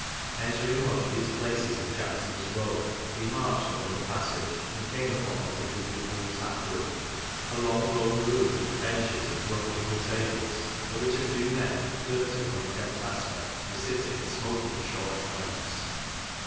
Entering one of these places in Jack son's Row, we marched along a passage and came unon what hadbeentheold tap room, a long, low room with benches and rough wooden tables, at which a few men, of dirty and unkempt aspect, were sitting smoking short pipes.